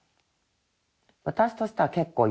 私としては結構。